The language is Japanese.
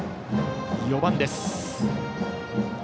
４番です。